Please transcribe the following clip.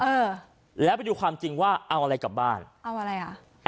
เออแล้วไปดูความจริงว่าเอาอะไรกลับบ้านเอาอะไรอ่ะ